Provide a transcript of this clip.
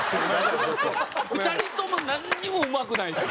２人ともなんにもうまくないし。